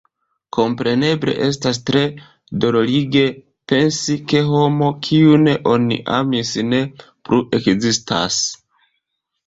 Kompreneble, estas tre dolorige pensi, ke homo, kiun oni amis, ne plu ekzistas.